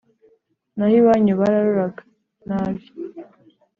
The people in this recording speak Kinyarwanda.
Naho iwanyu bararoga nabi